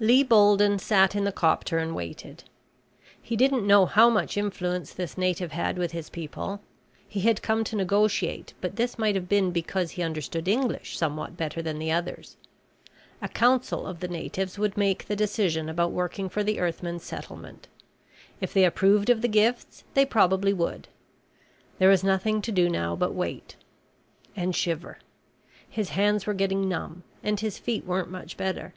Lee Bolden sat in the copter and waited. He didn't know how much influence this native had with his people. He had come to negotiate, but this might have been because he understood English somewhat better than the others. A council of the natives would make the decision about working for the Earthmen's settlement. If they approved of the gifts, they probably would. There was nothing to do now but wait and shiver. His hands were getting numb and his feet weren't much better.